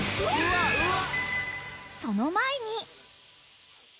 ［その前に］